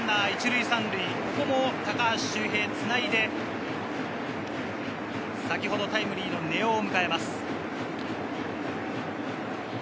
１塁３塁、ここも高橋周平がつないで、先ほどタイムリーの根尾を迎えます。